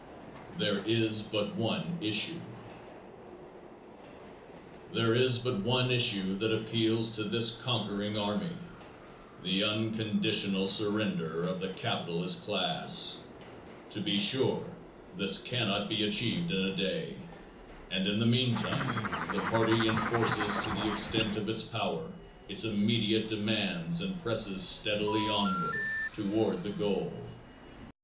There Is But One Issue. There is but one issue that appeals to this conquering army the unconditional surrender of the capitalist class. To be sure this cannot be achieved in a day and in the meantime the party enforces to the extent of its power its immediate demands and presses steadily onward toward the goal.